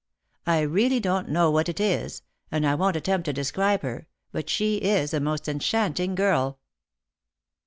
" I really don't know what it is, and I won't attempt to describe her; but she is a most enchanting girl."